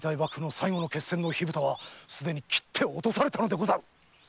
最後の決戦の火蓋はすでに切って落とされた！